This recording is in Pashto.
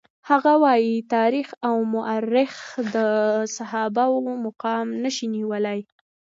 هغه وايي تاریخ او مورخ د صحابه وو مقام نشي ویلای.